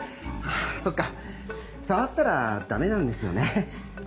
そっか触ったらダメなんですよね。